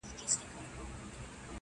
نن به ښکلي ستا په نوم سي ګودرونه!.